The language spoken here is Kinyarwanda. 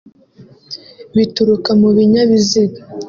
bituruka mu binyabiziga